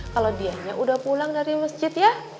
kalau dianya udah pulang dari masjid ya